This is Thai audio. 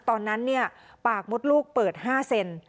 ตอนนั้นปากมดลูกเปิด๕เซน